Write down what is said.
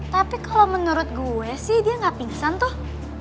tapi kalau menurut gue sih dia nggak pingsan tuh